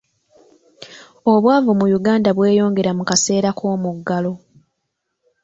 Obwavu mu Uganda bweyongera mu kaseera k'omuggalo.